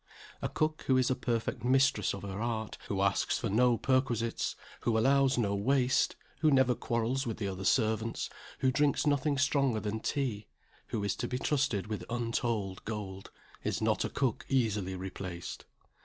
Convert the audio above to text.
A cook who is a perfect mistress of her art, who asks for no perquisites, who allows no waste, who never quarrels with the other servants, who drinks nothing stronger than tea, who is to be trusted with untold gold is not a cook easily replaced.